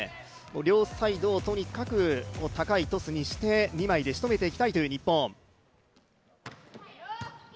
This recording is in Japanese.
両サイドをとにかく高いトスにして二枚でしとめていきたいという日本。